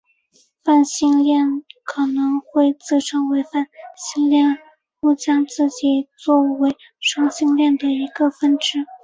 泛性恋可能会自称为泛性恋或将自己做为双性恋的一个分支。